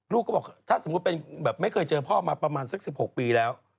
ลูกก็บอกถ้าสมมุติเป็นแบบไม่เคยเจอพ่อมาประมาณสัก๑๖ปีแล้ว